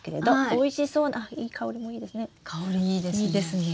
おいしそうなあ香りもいいですね。